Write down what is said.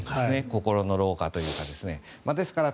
心の老化というかですね。